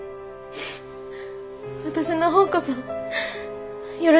私のほうこそよろしくね。